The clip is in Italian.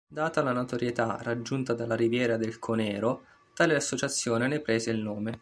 Data la notorietà raggiunta dalla Riviera del Conero, tale associazione ne prese il nome.